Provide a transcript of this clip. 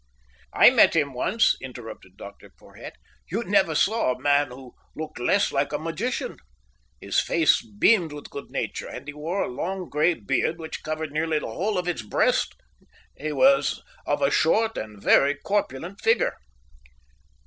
"I met him once," interrupted Dr Porhoët. "You never saw a man who looked less like a magician. His face beamed with good nature, and he wore a long grey beard, which covered nearly the whole of his breast. He was of a short and very corpulent figure."